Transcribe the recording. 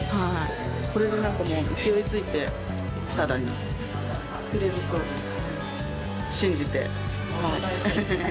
これでなんか、勢いづいて、さらに、くれると信じて。